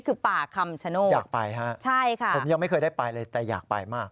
คือป่าคำชโนธอยากไปฮะใช่ค่ะผมยังไม่เคยได้ไปเลยแต่อยากไปมาก